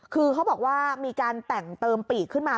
คือเขาบอกว่ามีการแต่งเติมปีกขึ้นมา